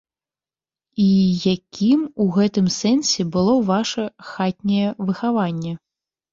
І якім у гэтым сэнсе было ваша хатняе выхаванне?